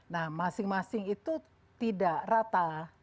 nah masing masing itu tidak rata